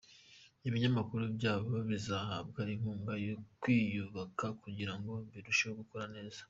ibinyamakuru byabo bizahabwa inkunga yo kwiyubaka kugirango birusheho gukora neza.